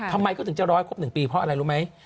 ทำไมเขาถึงจะรอให้ครบ๑ปีเพราะอะไรรู้ไหม